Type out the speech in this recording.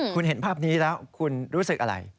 คุณเห็นภาพนี้แล้วคุณรู้สึกอะไร